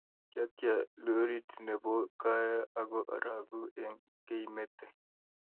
kiatya lorit nebo kayoe ako araku eng' keimete.